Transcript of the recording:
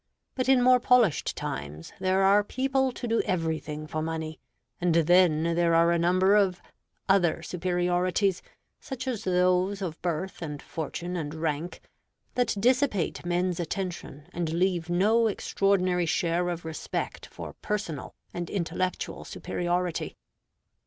But in more polished times there are people to do everything for money; and then there are a number of other superiorities, such as those of birth and fortune and rank, that dissipate men's attention and leave no extraordinary share of respect for personal and intellectual superiority.